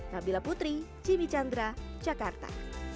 nabila putri jimmy chandra jakarta